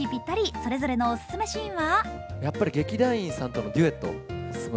それぞれのオススメシーンは？